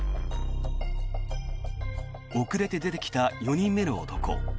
遅れて出てきた４人目の男。